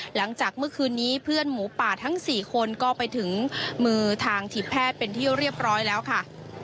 หลังจากเมื่อคืนนี้เพื่อนหมูป่าทั้ง๔คนก็ไปถึงมือทางทีมแพทย์เป็นที่เรียบร้อยแล้วค่ะ